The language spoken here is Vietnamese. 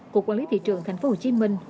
cục quản lý thị trường tp hcm